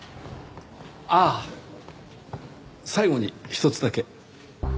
ああ最後にひとつだけ。